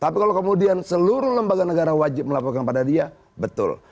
tapi kalau kemudian seluruh lembaga negara wajib melaporkan pada dia betul